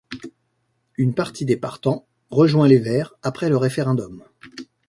Une partie des partants rejoint les Verts après le référendum.